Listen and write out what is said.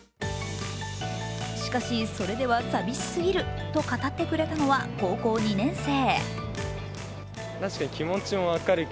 しかし、それでは寂しすぎると語ってくれたのは高校２年生。